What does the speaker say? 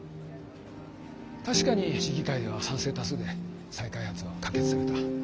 確かに市議会では賛成多数で再開発は可決された。